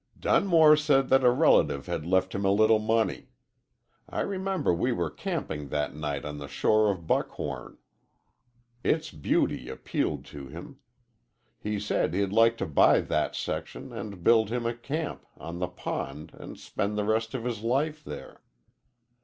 "Dunmore said that a relative had left him a little money. I remember we were camping that night on the shore of Buckhorn. Its beauty appealed to him. He said he'd like to buy that section and build him a camp on the pond and spend the rest of his life there.